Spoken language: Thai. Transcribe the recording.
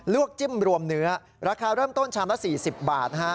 จิ้มรวมเนื้อราคาเริ่มต้นชามละ๔๐บาทนะฮะ